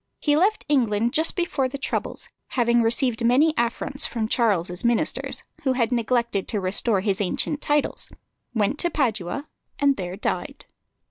He left England just before the troubles, having received many affronts from Charles's ministers, who had neglected to restore his ancient titles, went to Padua, and there died.